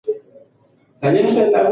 اللهاکبر، اشهدان الاله االاهلل